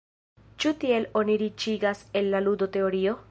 Ĉu tiel oni riĉiĝas el la ludo-teorio?